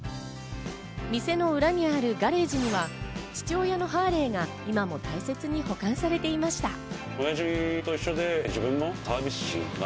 店の裏にあるガレージには父親のハーレーが今も大切に保管されていました。